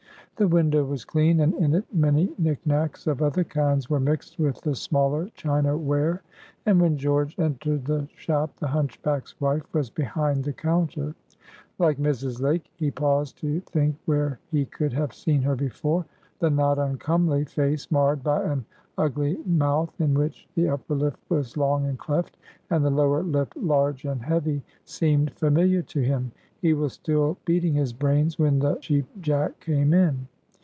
The window was clean, and in it many knick knacks of other kinds were mixed with the smaller china ware. And, when George entered the shop, the hunchback's wife was behind the counter. Like Mrs. Lake, he paused to think where he could have seen her before; the not uncomely face marred by an ugly mouth, in which the upper lip was long and cleft, and the lower lip large and heavy, seemed familiar to him. He was still beating his brains when the Cheap Jack came in.